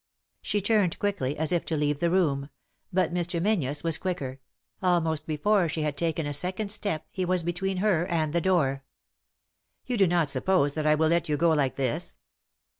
She turned quickly, as if to leave the room ; but Mr. Menzies was quicker ; almost before she had taken a second step he was between her and the door. " You do not suppose that I will let you go like this?"